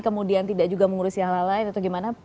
kemudian tidak juga mengurusi hal hal lain atau gimana